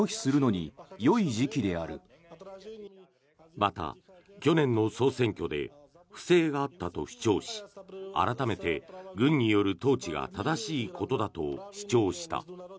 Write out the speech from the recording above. また、去年の総選挙で不正があったと主張し改めて軍による統治が正しいことだと主張した。